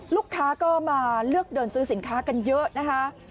ลูกค้าก็มาเลือกเดินซื้อสินค้ากันเยอะนะคะ